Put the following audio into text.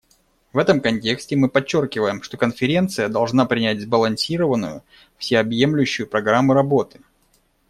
В этом контексте мы подчеркиваем, что Конференция должна принять сбалансированную, всеобъемлющую программу работы.